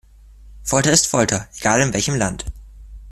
Folter ist Folter, egal in welchem Land.